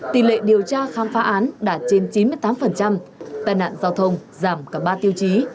tỷ lệ điều tra khám phá án đạt trên chín mươi tám tai nạn giao thông giảm cả ba tiêu chí